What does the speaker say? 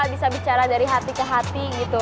bisa bicara dari hati ke hati gitu